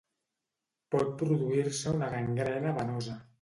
Pot produir-se una gangrena venosa.